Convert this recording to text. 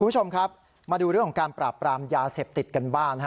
คุณผู้ชมครับมาดูเรื่องของการปราบปรามยาเสพติดกันบ้าง